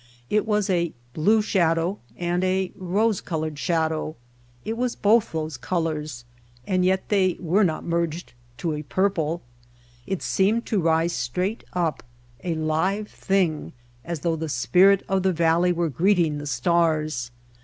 It was a blue shadow and a rose colored shadow. It was both those colors and yet they were not merged to a purple. It seemed to rise straight up, a live thing, as though the spirit of the valley were greeting the stars.